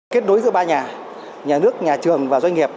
kết nối giữa ba nhà nhà nước nhà trường và doanh nghiệp